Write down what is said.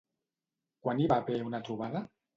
Quan hi va haver una trobada?